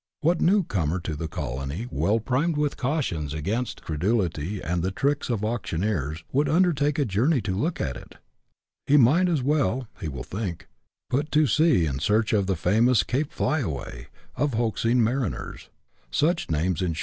What new comer to the colony, well primed with cautions against credulity and the tricks of auctioneers, would undertake a journey to look at it ? He might as well (he will think) put to sea in search of the famous " Cape Flyaway " of hoaxing mariners. Such names, in 146 BUSH LIFE IJf AUSTRALIA.